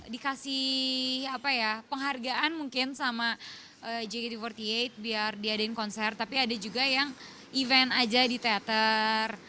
dikasih penghargaan mungkin sama jgt empat puluh delapan biar diadain konser tapi ada juga yang event aja di teater